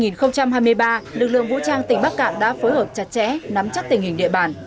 năm hai nghìn hai mươi ba lực lượng vũ trang tỉnh bắc cạn đã phối hợp chặt chẽ nắm chắc tình hình địa bàn